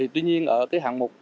tuy nhiên ở hạng mục